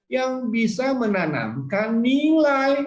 yang bisa menanamkan nilai